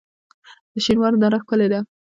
د شینوارو دره ښکلې ده